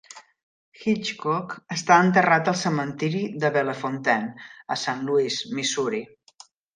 Hitchcock està enterrat al cementiri de Bellefontaine a Saint Louis, Missouri.